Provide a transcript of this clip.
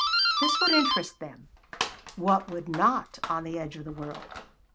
This would interest them what would not, on the edge of the world?